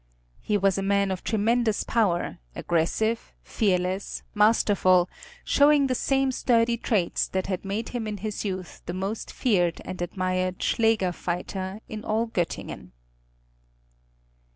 He was a man of tremendous power, aggressive, fearless, masterful, showing the same sturdy traits that had made him in his youth the most feared and admired schläger fighter in all Göttingen.